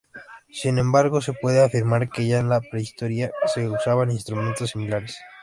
Sin embargo, se puede afirmar que ya en la prehistoria se usaban instrumentos similares.